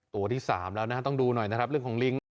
ตัวที่๓แล้วนะฮะต้องดูหน่อยนะครับเรื่องของลิงค์